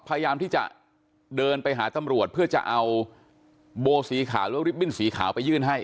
พยายามที่จะเดินไปหาตัำรวจเพื่อจะเอาโบสีขาด์วิ่งสีขาวไปยื่นให้